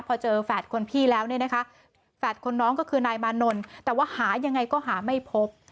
พอเจอแฝดคนพี่แล้วเนี่ยนะคะแฝดคนน้องก็คือนายมานนท์แต่ว่าหายังไงก็หาไม่พบ